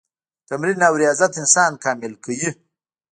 تمرین او ریاضت انسان کامل کوي.